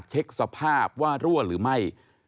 เช็คสภาพว่ารั่วหรือไม่